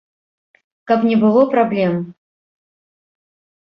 Каб не было праблем.